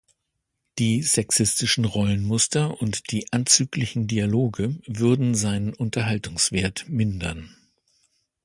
Die „"sexistischen Rollenmuster"“ und die „"anzüglichen Dialoge"“ würden seinen Unterhaltungswert mindern.